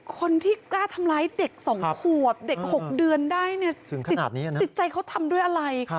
คนที่กล้าทำร้ายเด็ก๒ขวบเด็ก๖เดือนได้เนี่ยจิตใจเขาทำด้วยอะไร